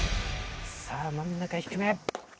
さあ真ん中低め。